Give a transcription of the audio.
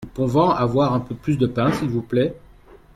Nous pouvons avoir un peu plus de pain s'il vous plait ?